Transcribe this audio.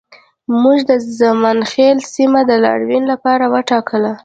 موږ د زمانخیل سیمه د لاریون لپاره وټاکه